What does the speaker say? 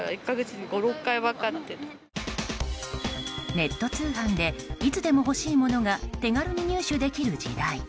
ネット通販でいつでも欲しいものが手軽に入手できる時代。